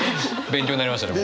勉強になりましたね。